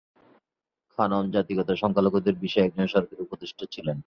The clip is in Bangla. খানম জাতিগত সংখ্যালঘুদের বিষয়ে একজন সরকারি উপদেষ্টা ছিলেন।